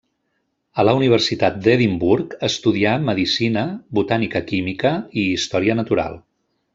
A la Universitat d'Edimburg estudià medicina, botànica química i història natural.